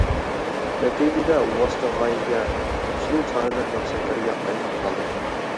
نەتىجىدە ۋاسىتە غايىگە، ئۇسۇل-چارىلەر مەقسەتلەرگە ئايلىنىپ قالدى.